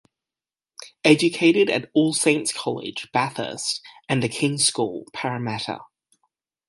Educated at All Saints College, Bathurst, and The King's School, Parramatta.